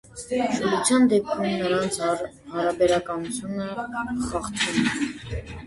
Շլության դեպքում նրանց հարաբերակցությունը խախտվում է։